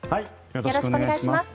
よろしくお願いします。